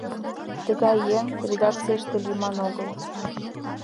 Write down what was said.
Тыгай еҥ редакцийыште лийман огыл».